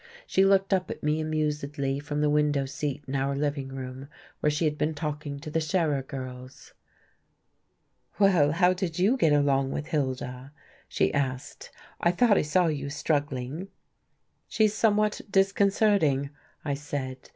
She looked up at me amusedly from the window seat in our living room, where she had been talking to the Scherer girls. "Well, how did you get along with Hilda?" she asked. "I thought I saw you struggling." "She's somewhat disconcerting," I said.